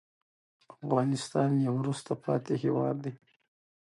افغانستان يو وروسته پاتې هېواد دې